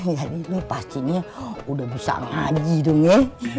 jadi pastinya udah bisa ngaji dong ya